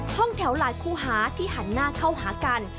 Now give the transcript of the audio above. ห้องแถวหลายคู่หาที่หันหน้าเข้าหากัน